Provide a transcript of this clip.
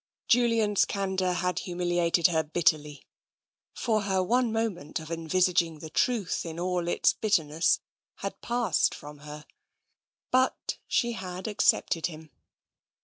Julian's candour had humiliated her bitterly, for her one moment of envisaging the truth in all its bit terness had passed from her. But she had accepted him.